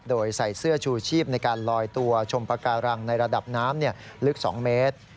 โดยใส่เสื้อชูชีพในการลอยตัวชมปากการังในระดับน้ำลึก๒เมตร